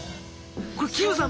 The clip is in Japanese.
これキムさん